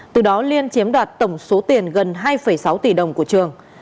từ đó liên chiếm đoạt tổng số tiền gần hai sáu tỷ đồng của trường